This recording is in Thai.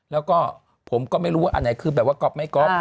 แล้วก็ผมก็ไม่รู้ว่าอันไหนคือแบบว่าก๊อฟไม่ก๊อฟ